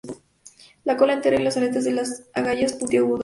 La cola entera, y las aletas de las agallas puntiagudas.